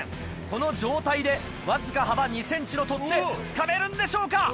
この状態でわずか幅２ｃｍの取っ手つかめるんでしょうか？